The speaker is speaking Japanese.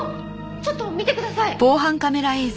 ちょっと見てください。